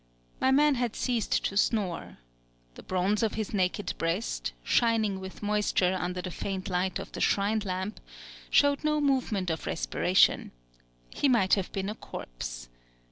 My man had ceased to snore. The bronze of his naked breast shining with moisture under the faint light of the shrine lamp, showed no movement of respiration. He might have been a corpse.